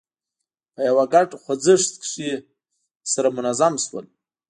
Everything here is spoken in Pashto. په یوه ګډ خوځښت کې سره منظم شول.